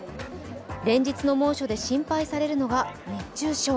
連日の猛暑で心配されるのが熱中症。